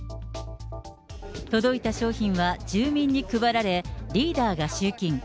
届いた商品は住民に配られ、リーダーが集金。